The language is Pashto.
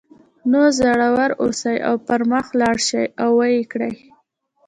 نو زړور اوسئ او پر مخ لاړ شئ او ویې کړئ